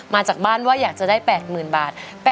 มาจากบ้านว่าอยากจะได้๘๐๐๐บาท